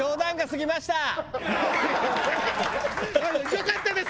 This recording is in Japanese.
よかったです